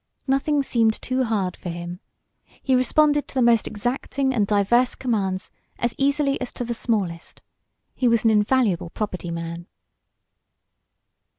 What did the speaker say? Nothing seemed too hard for him. He responded to the most exacting and diverse commands as easily as to the smallest. He was an invaluable property man.